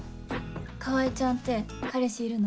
川合ちゃんって彼氏いるの？